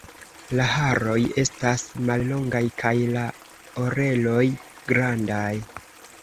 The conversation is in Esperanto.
La haroj estas mallongaj kaj la oreloj grandaj.